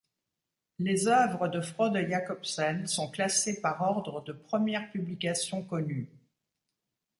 Les œuvres de Frode Jakobsen sont classées par ordre de première publication connue.